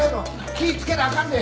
気ぃ付けなあかんで。